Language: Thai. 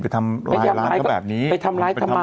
ไปทำร้ายทำมาหากิน